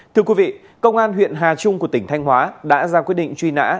thưa quý vị công an huyện hà trung của tỉnh thanh hóa đã ra quyết định truy nã